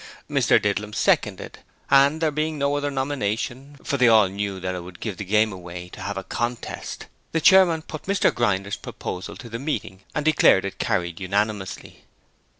Mr Didlum seconded, and there being no other nomination for they all knew that it would give the game away to have a contest the Chairman put Mr Grinder's proposal to the meeting and declared it carried unanimously.